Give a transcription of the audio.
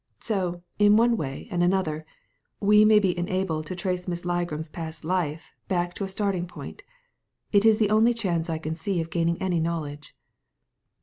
So, in one way and another, we may be enabled to trace Miss Ligram's past life back to a starting point It is the only chance I can see of gaining any knowledge."